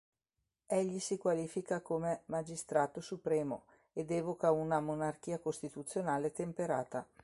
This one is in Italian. Egli si qualifica come "magistrato supremo" ed evoca una "monarchia costituzionale temperata".